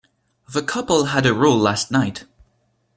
The couple had a row last night.